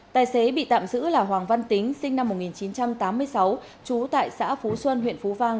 tài xế bị tạm giữ là hoàng văn tính sinh năm một nghìn chín trăm tám mươi sáu trú tại xã phú xuân huyện phú vang